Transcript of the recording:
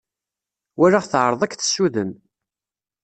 Walaɣ teɛreḍ ad k-tessuden.